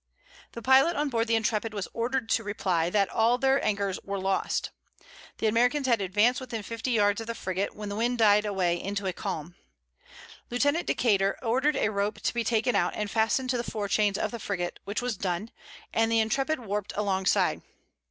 The pilot on board the Intrepid was ordered to reply, that all their anchors were lost. The Americans had advanced within fifty yards of the frigate, when the wind died away into a calm. Lieutenant Decater ordered a rope to be taken out and fastened to the fore chains of the frigate, which was done, and the Intrepid warped alongside.